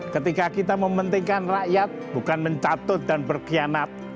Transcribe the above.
ketika kita mementingkan rakyat bukan mencatut dan berkhianat